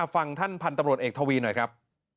ฟังท่านพันธุ์ตำรวจเอกทวีหน่อยครับ